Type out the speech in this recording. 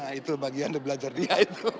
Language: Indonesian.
nah itu bagian dari belajar dia itu